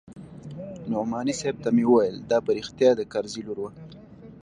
نعماني صاحب ته مې وويل دا په رښتيا د کرزي لور وه.